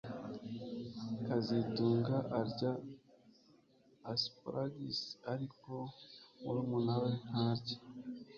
kazitunga arya asparagus ariko murumuna we ntarya